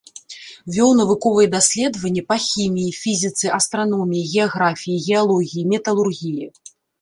Вёў навуковыя даследаванні па хіміі, фізіцы, астраноміі, геаграфіі, геалогіі, металургіі.